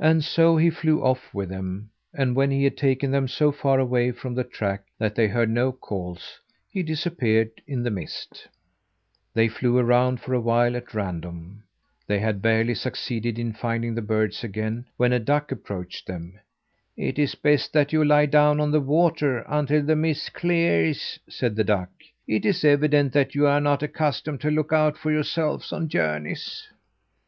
And so he flew off with them; and when he had taken them so far away from the track that they heard no calls, he disappeared in the mist. They flew around for a while at random. They had barely succeeded in finding the birds again, when a duck approached them. "It's best that you lie down on the water until the mist clears," said the duck. "It is evident that you are not accustomed to look out for yourselves on journeys."